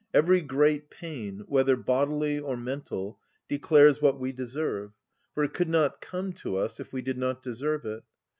Every great pain, whether bodily or mental, declares what we deserve: for it could not come to us if we did not deserve it.